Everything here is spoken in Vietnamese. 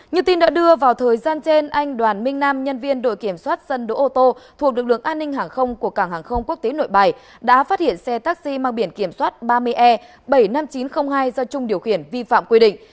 như tin đã đưa vào thời gian trên anh đoàn minh nam nhân viên đội kiểm soát sân đỗ ô tô thuộc lực lượng an ninh hàng không của cảng hàng không quốc tế nội bài đã phát hiện xe taxi mang biển kiểm soát ba mươi e bảy mươi năm nghìn chín trăm linh hai do trung điều khiển vi phạm quy định